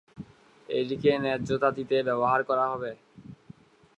এটিকে ন্যায্যতা দিতে ব্যবহার করা হবে।